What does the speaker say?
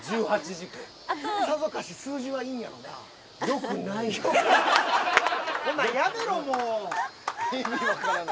さぞかし数字はいいんやろうな。